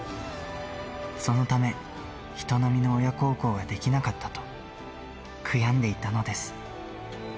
そのため、人並みの親孝行ができなかったと、悔やんでいたのです。